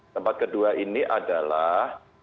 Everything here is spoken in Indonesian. tempat kedua ini adalah